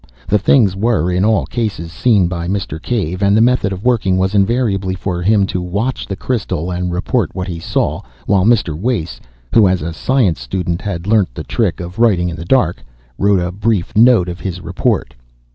The things were in all cases seen by Mr. Cave, and the method of working was invariably for him to watch the crystal and report what he saw, while Mr. Wace (who as a science student had learnt the trick of writing in the dark) wrote a brief note of his report.